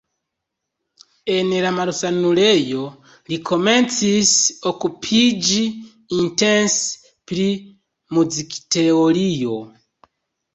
En la malsanulejo li komencis okupiĝi intense pri muzikteorio.